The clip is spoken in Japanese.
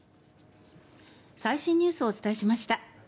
最新ニュースをお伝えしました。